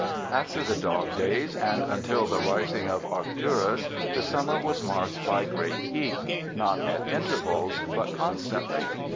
After the dog days and until the rising of Arcturus, the summer was marked by great heat ; not at intervals, but constantly.